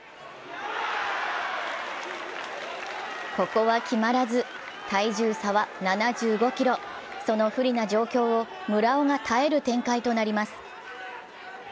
ここは決まらず、体重差は７５ｋｇ、その不利な状況を村尾が耐える展開となります。